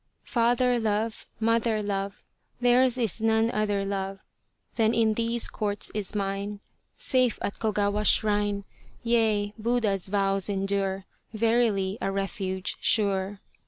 Father love, mother love, Theirs is none other love Than in these Courts is mine. Safe at Kogawa's shrine, Yea, Buddha's Vows endure, Verily a refuge sure.